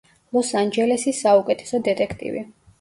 ლოს-ანჯელესის საუკეთესო დეტექტივი.